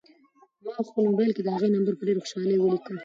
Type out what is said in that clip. ما په خپل موبایل کې د هغې نمبر په ډېرې خوشحالۍ ولیکه.